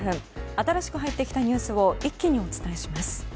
新しく入ってきたニュースを一気にお伝えします。